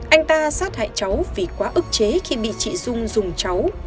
anh ta sát hại cháu vì quá ức chế khi bị chị dung dùng cháu